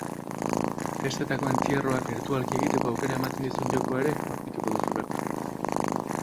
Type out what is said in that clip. Festetako entzierroa birtualki egiteko aukera ematen dizun jokoa ere aurkituko dituzu bertan.